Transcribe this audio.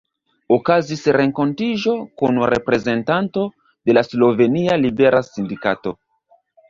Okazis renkontiĝo kun reprezentanto de la slovenia libera sindikato.